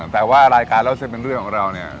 แต่ว่ารายการเล่าเส้นเป็นเรื่องของเราเนี่ย